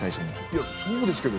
いやそうですけど。